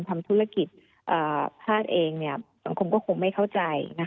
ทำธุรกิจภาพเองมันคงก็คงไม่เข้าใจนะคะ